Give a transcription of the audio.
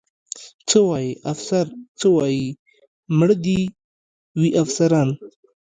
څه وایي؟ افسر څه وایي؟ مړه دې وي افسران.